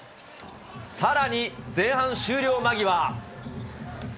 さらに前半終了間際。